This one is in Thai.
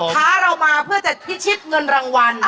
ท้าเรามาเพื่อจะพิชิตเงินรางวัล